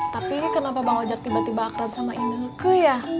tapi kenapa bang ojak tiba tiba akrab sama ineke ya